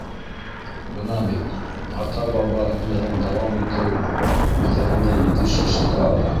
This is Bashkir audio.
Бына бит, ата-баба һөнәрен дауам итеү үҙҙәрен дә етеш йәшәтә ала.